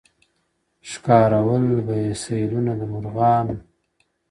• ښکارول به یې سېلونه د مرغانو ,